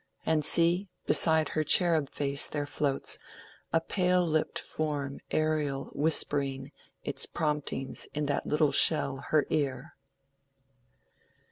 And see! beside her cherub face there floats A pale lipped form aerial whispering Its promptings in that little shell her ear."